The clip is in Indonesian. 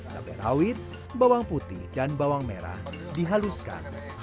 cabai rawit bawang putih dan bawang merah dihaluskan